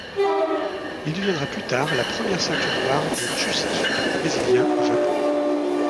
Il deviendra plus tard la première ceinture noire de jiujitsu brésilien au Japon.